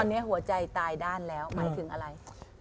ตอนนี้หัวใจตายด้านแล้วหมายถึงอะไร